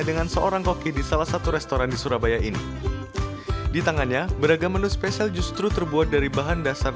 bagaimana menurut anda